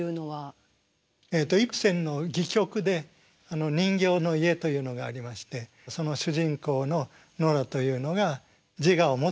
イプセンの戯曲で「人形の家」というのがありましてその主人公のノラというのが自我を持った女性。